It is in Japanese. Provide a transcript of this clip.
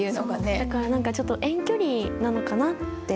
だから何かちょっと遠距離なのかなって思いました。